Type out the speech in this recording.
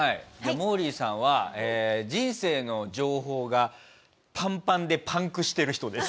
モーリーさんは人生の情報がパンパンでパンクしてる人です。